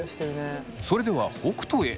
それでは北斗へ。